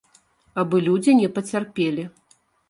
Абы людзі не пацярпелі.